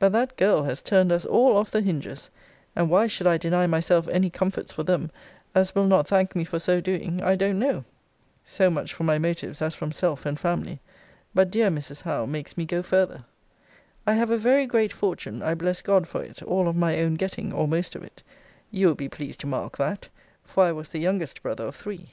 But that girl has turned us all off the hinges: and why should I deny myself any comforts for them, as will not thank me for so doing, I don't know. So much for my motives as from self and family: but the dear Mrs. Howe makes me go farther. I have a very great fortune, I bless God for it, all of my own getting, or most of it; you will be pleased to mark that; for I was the youngest brother of three.